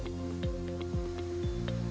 berbeda dengan jamu